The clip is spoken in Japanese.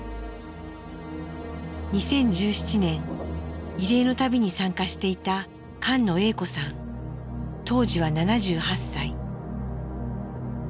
２０１７年慰霊の旅に参加していた当時は７８歳。